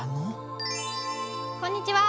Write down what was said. こんにちは。